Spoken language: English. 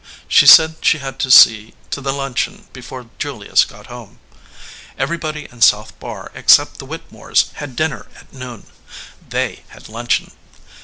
She said she had to see to the luncheon before Julius got home. Everybody in South Barr except the Whit temores had dinner at noon. They had luncheon.